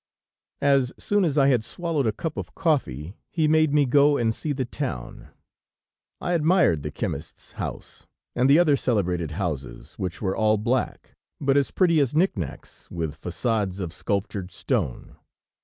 As soon as I had swallowed a cup of coffee, he made me go and see the town. I admired the chemist's house, and the other celebrated houses, which were all black, but as pretty as knick nacks, with façades of sculptured stone.